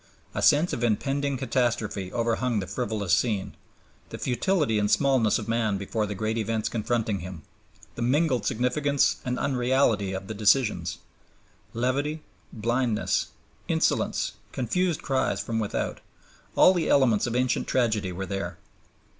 A sense of impending catastrophe overhung the frivolous scene; the futility and smallness of man before the great events confronting him; the mingled significance and unreality of the decisions; levity, blindness, insolence, confused cries from without, all the elements of ancient tragedy were there.